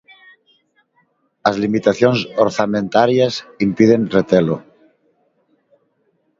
As limitacións orzamentarias impiden retelo.